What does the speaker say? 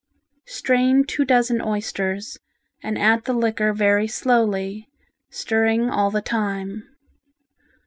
Strain two dozen oysters and add the liquor very slowly, stirring all the time.